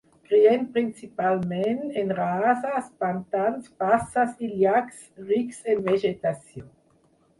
Crien principalment en rases, pantans, basses i llacs rics en vegetació.